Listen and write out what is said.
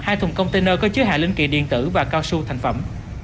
hai thùng container có chứa hạ linh kiện điện tử và cao su thành phẩm